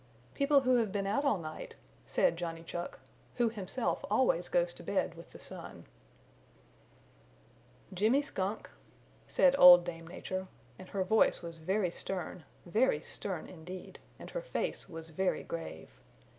"People who have been out all night," said Johnny Chuck, who himself always goes to bed with the sun. "Jimmy Skunk," said Old Dame Nature, and her voice was very stern, very stern indeed, and her face was very grave.